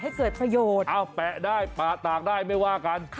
ให้เกิดประโยชน์อ้าวแปะได้แปะตากได้ไม่ว่ากัน